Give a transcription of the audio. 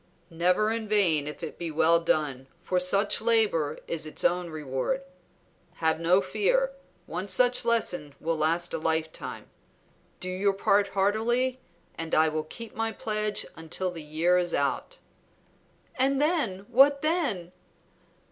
"Never in vain if it be well done, for such labor is its own reward. Have no fear; one such lesson will last a lifetime. Do your part heartily, and I will keep my pledge until the year is out." "And then, what then?"